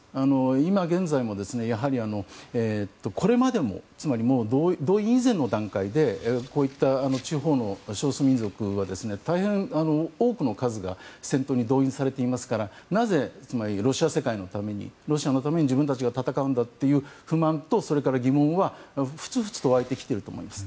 今現在もこれまでも動員以前の段階でこういった地方の少数民族は大変多くの数が戦闘に動員されていますからなぜロシア世界のためにロシアのために自分たちが戦うんだという不満と疑問はふつふつと湧いてきてると思います。